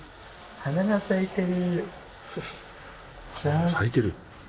花が咲いてる。